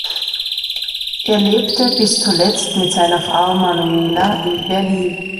Er lebte bis zuletzt mit seiner Frau Manuela in Berlin.